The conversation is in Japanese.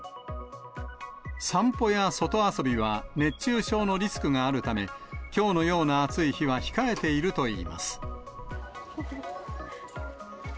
散歩や外遊びは熱中症のリスクがあるため、きょうのような暑い日は控えているといいます。